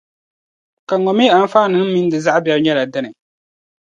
Ka ŋɔ mi anfaaninima mini di zaɣ biɛri nyɛla dini?